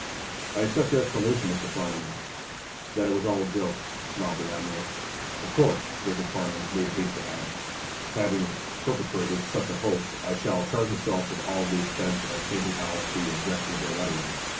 "I accept your explanation, Mr. Farnum, that it was all a joke," smiled the admiral. "Of course," Jacob Farnum made haste to add, "having perpetrated such a hoax, I shall charge myself with all the expense of painting out the objectionable lettering."